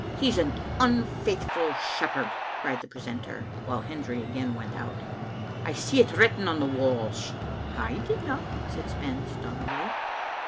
" He's an unfaithful shepherd/' cried the precentor, while Hendry again went out. I see it written on the walls." *" I dinna," said Spens doggedly.